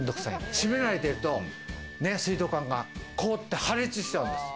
閉めないでいると水道管が凍って破裂しちゃうんです。